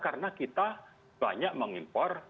karena kita banyak mengimpor